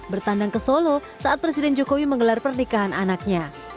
bertandang ke solo saat presiden jokowi menggelar pernikahan anaknya